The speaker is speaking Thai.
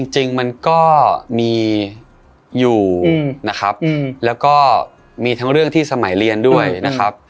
จริงมันก็มีอยู่นะครับแล้วก็มีทั้งเรื่องที่สมัยเรียนด้วยนะครับ